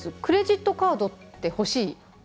クレジットカードって欲しい？